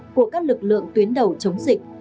của các lực lượng tuyến đầu chống dịch